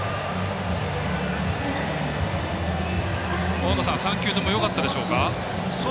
大野さん３球ともよかったでしょうか。